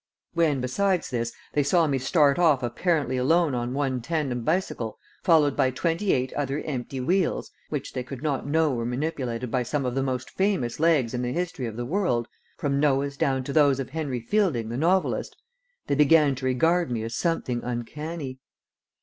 When, besides this, they saw me start off apparently alone on one tandem bicycle, followed by twenty eight other empty wheels, which they could not know were manipulated by some of the most famous legs in the history of the world, from Noah's down to those of Henry Fielding the novelist, they began to regard me as something uncanny.